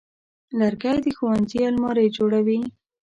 لرګی د ښوونځي المارۍ جوړوي.